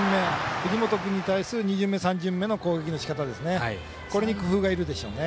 藤本君に対する２巡目３巡目の攻撃のしかたに工夫がいるでしょうね。